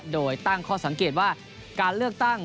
โดยตั้งข้อสังเกตว่าการเลือกตั้ง